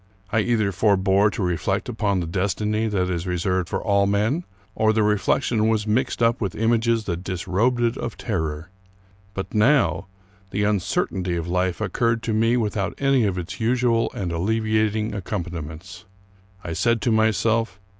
I either forbore to reflect upon the destiny that is reserved for all men, or the reflection was mixed up with images that disrobed it of terror; but now the uncertainty of life occurred to me without any of its usual and alleviating accompaniments. I said to myself.